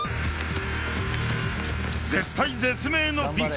［絶体絶命のピンチ。